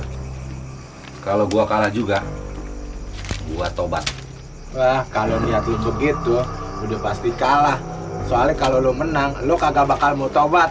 hai kalau gua kalah juga gua tobat ah kalau lihat lu begitu udah pasti kalah soalnya kalau lu menang lu kagak bakal mau tobat